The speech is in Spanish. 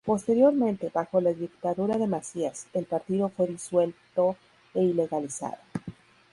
Posteriormente, bajo la dictadura de Macías, el partido fue disuelto e ilegalizado.